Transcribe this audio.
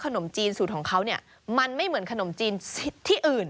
ขนมจีนสูตรของเขาเนี่ยมันไม่เหมือนขนมจีนที่อื่น